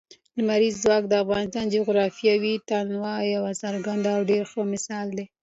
لمریز ځواک د افغانستان د جغرافیوي تنوع یو څرګند او ډېر ښه مثال دی.